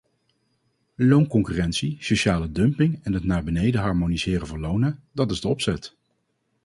Loonconcurrentie, sociale dumping en het naar beneden harmoniseren van lonen, dat is de opzet.